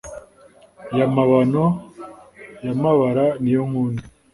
ya mabano ya mabara niyo nkunda,